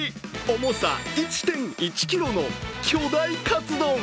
重さ１．１ｋｇの巨大かつ丼。